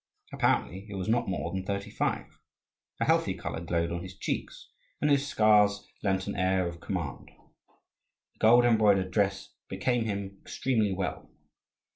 Apparently he was not more than thirty five. A healthy colour glowed on his cheeks, and his scars lent him an air of command. The gold embroidered dress became him extremely well.